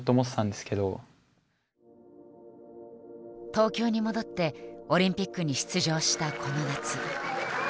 東京に戻ってオリンピックに出場したこの夏。